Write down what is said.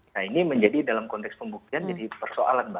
nah ini menjadi dalam konteks pembuktian jadi persoalan mbak